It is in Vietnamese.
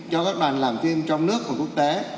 cho các đoàn làm phim trong nước và quốc tế